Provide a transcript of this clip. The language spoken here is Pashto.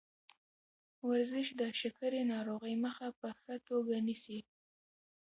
ورزش د شکرې ناروغۍ مخه په ښه توګه نیسي.